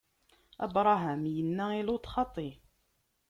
Abṛam inna i Luṭ: Xaṭi!